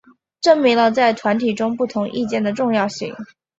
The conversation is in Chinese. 证明了在团体中不同意见的重要性。